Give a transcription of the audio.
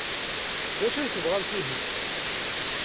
D acu ay tebɣamt ihi?